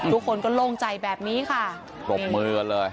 ทุกคนก็โล่งใจแบบนี้ค่ะปรบมือกันเลย